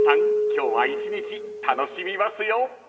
今日は一日楽しみますよ］